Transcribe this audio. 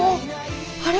あれ？